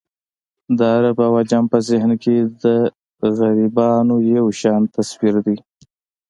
د عرب او عجم په ذهن کې د غربیانو یو شان تصویر دی.